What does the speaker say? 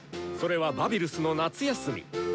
それはバビルスの夏休み！